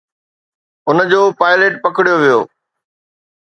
ان جو پائلٽ پڪڙيو ويو.